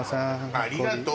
ありがとう。